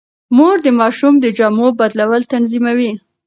مور د ماشوم د جامو بدلول تنظيموي.